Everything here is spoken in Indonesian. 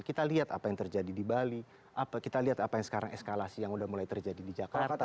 kita lihat apa yang terjadi di bali kita lihat apa yang sekarang eskalasi yang sudah mulai terjadi di jakarta